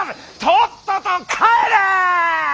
とっとと帰れ！